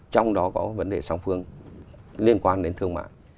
trong đó có vấn đề song phương liên quan đến thương mại